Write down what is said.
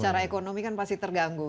secara ekonomi kan pasti terganggu